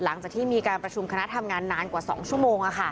หลังจากที่มีการประชุมคณะทำงานนานกว่า๒ชั่วโมง